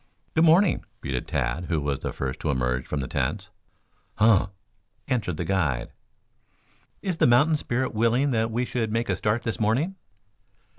"Good morning," greeted Tad, who was the first to emerge from the tents. "Huh!" answered the guide. "Is the mountain spirit willing that we should make a start this morning?"